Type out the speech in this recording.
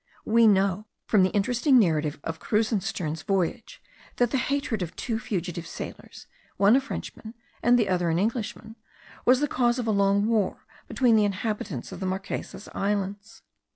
We know, from the interesting narrative of Krusenstern's voyage, that the hatred of two fugitive sailors, one a Frenchman and the other an Englishman, was the cause of a long war between the inhabitants of the Marquesas Islands.